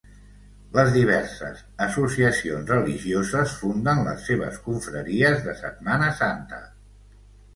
Les diverses associacions religioses funden les seves confraries de Setmana Santa.